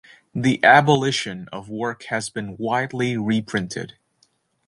"The Abolition of Work" has been widely reprinted.